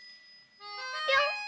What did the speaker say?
ぴょん！